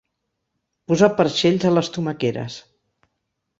Posar perxells a les tomaqueres.